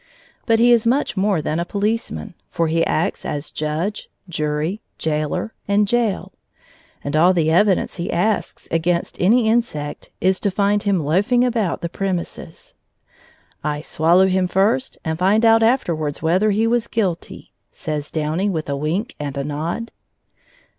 But he is much more than a policeman, for he acts as judge, jury, jailer, and jail. All the evidence he asks against any insect is to find him loafing about the premises. "I swallow him first and find out afterwards whether he was guilty," says Downy with a wink and a nod.